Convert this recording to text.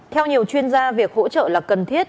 theo nhiều chuyên gia việc hỗ trợ là cần thiết